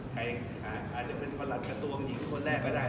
ใครอาจจะเป็นพระราชกระทรวงหญิงคนแรกก็ได้